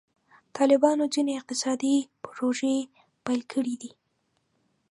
طالبانو ځینې اقتصادي پروژې پیل کړي دي.